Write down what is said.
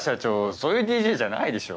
そういうＤＪじゃないでしょ。